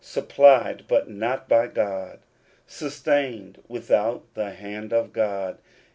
Supplied, but not by God ! Sustained without the hand of God